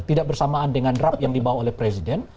tidak bersamaan dengan draft yang dibawa oleh presiden